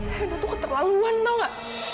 hena itu keterlaluan tau gak